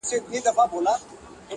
ګنهكاره سوه سورنا، ږغ د ډولونو!!